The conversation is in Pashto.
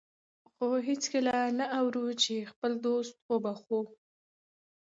خو هېڅکله نه اورو چې خپل دوست وبخښو.